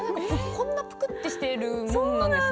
こんなに、ぷくっとしているものなんですね。